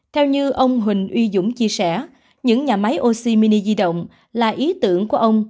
theo như ông huỳnh uy dũng chia sẻ những nhà máy oxy mini di động là ý tưởng của ông